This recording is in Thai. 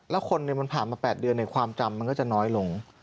แล้วคนมันผ่านมา๘เดือนในความจำมันก็จะน้อยลง